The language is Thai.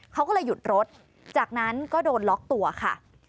เขาก็เลยหยุดรถจากนั้นก็โดนล็อกตัวค่ะ